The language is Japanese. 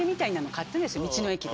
道の駅で。